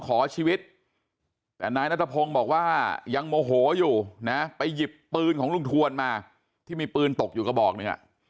ขอชีวิตแต่นายนัทพงศ์บอกว่ายังโมโหอยู่นะไปหยิบปืนของลุงทวนมาที่มีปืนตกอยู่กระบอกหนึ่ง